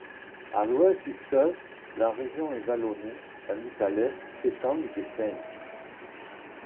À l'ouest du fleuve la région est vallonnée tandis qu'à l'est s'étendent des plaines.